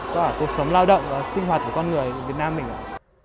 tất cả cuộc sống lao động và sinh hoạt của con người việt nam mình ạ